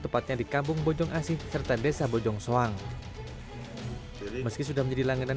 pakai kontrak ke tempat lain